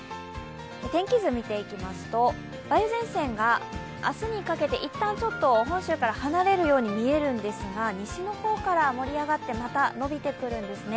天気図見ていきますと梅雨前線が明日にかけて一旦ちょっと本州から離れるように見えるんですが、西の方から盛り上がってまた延びてくるんですね。